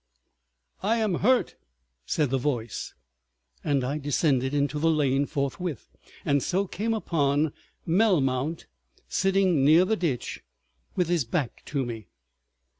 "I am hurt," said the voice, and I descended into the lane forthwith, and so came upon Melmount sitting near the ditch with his back to me.